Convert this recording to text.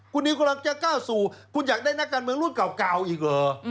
คุณนิวกำลังจะก้าวสู่คุณอยากได้นักการเมืองรุ่นเก่าอีกเหรอ